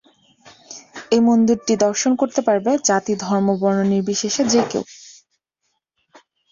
এই মন্দিরটি দর্শন করতে পারবে জাতি-ধর্ম-বর্ণ নির্বিশেষে যে কেউ।